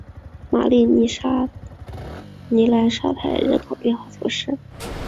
马里尼莱沙泰人口变化图示